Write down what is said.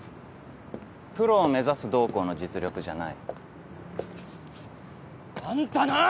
プロを目指すどうこうの実力じゃない。あんたなぁ！